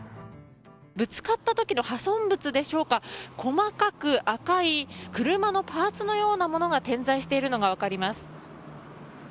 ぶつかった時の破損物でしょうか、細かく赤い車のパーツのようなものが点在しているのが分かります。